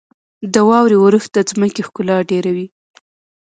• د واورې اورښت د ځمکې ښکلا ډېروي.